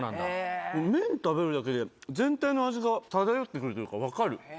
麺食べるだけで全体の味が漂ってくるというか分かる。